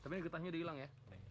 tapi getahnya udah hilang ya